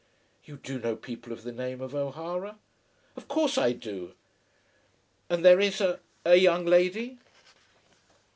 "You do know people of the name of O'Hara?" "Of course I do." "And there is a young lady?"